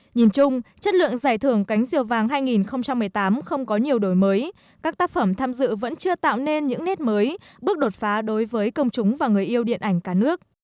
nhìn chung chất lượng giải thưởng cánh diều vàng hai nghìn một mươi tám không có nhiều đổi mới các tác phẩm tham dự vẫn chưa tạo nên những nét mới bước đột phá đối với công chúng và người yêu điện ảnh cả nước